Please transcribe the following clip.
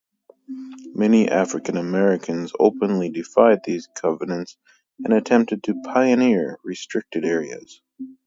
Many African Americans openly defied these covenants and attempted to "pioneer" restricted areas.